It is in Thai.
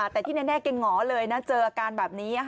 แต่ที่แน่แกหงอเลยนะเจออาการแบบนี้